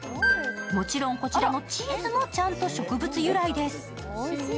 もちろんこちらのチーズもちゃんと植物由来です。